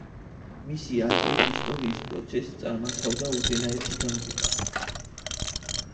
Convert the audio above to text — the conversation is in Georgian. მისი აზრით, ისტორიის პროცესს წარმართავდა უზენაესი განგება.